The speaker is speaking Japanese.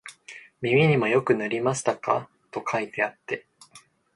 耳にもよく塗りましたか、と書いてあって、